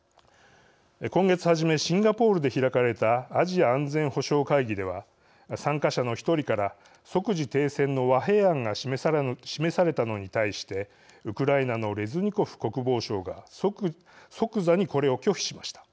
今月初めシンガポールで開かれたアジア安全保障会議では参加者の一人から即時停戦の和平案が示されたのに対してウクライナのレズニコフ国防相が即座にこれを拒否しました。